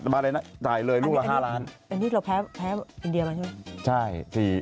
มาเลยนะจ่ายเลยลูกละ๕ล้านอันนี้เราแพ้แพ้อินเดียมาใช่ไหม